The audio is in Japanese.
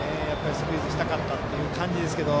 スクイズしたかったという感じですけど。